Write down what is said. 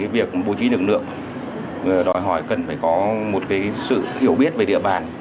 việc bố trí lực lượng đòi hỏi cần phải có một sự hiểu biết về địa bàn